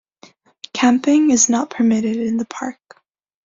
Camping is not permitted in the park.